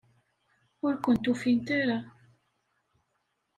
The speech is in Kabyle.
Ur kent-ufint ara?